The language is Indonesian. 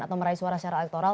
atau meraih suara secara elektoral